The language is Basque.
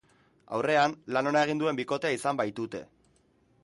Aurrean, lan ona egin duen bikotea izan baitute.